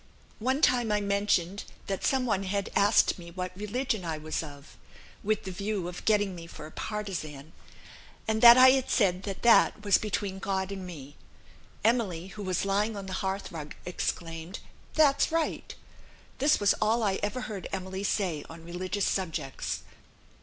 One time I mentioned that some one had asked me what religion I was of (with the view of getting me for a partizan), and that I had said that that was between God and me; Emily (who was lying on the hearth rug) exclaimed, 'That's right.' This was all I ever heard Emily say on religious subjects.